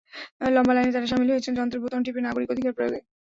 লম্বা লাইনে তাঁরা শামিল হয়েছেন যন্ত্রের বোতাম টিপে নাগরিক অধিকার প্রয়োগে।